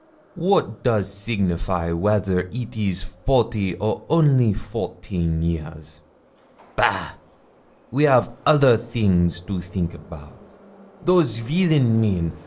What does signify whether it is forty or only fourteen years? Bah! we av other theeng to theenk about. Those villain men!